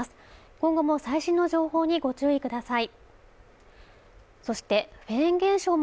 今後も最新の情報にご注意ください